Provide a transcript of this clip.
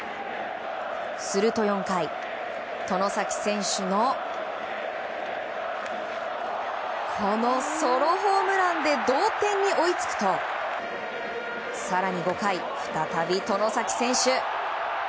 すると４回外崎選手のこのソロホームランで同点に追いつくと更に５回、再び外崎選手。